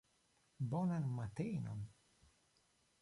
Bonan matenon!